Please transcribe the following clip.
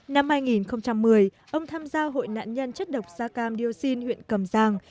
năm hai nghìn một mươi ông tham gia hội nạn nhân chất độc da cam dioxin huyện cầm giang